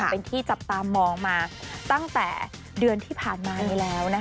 เป็นที่จับตามองมาตั้งแต่เดือนที่ผ่านมานี้แล้วนะคะ